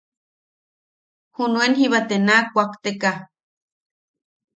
Junuen jiba te na kuakte- ka.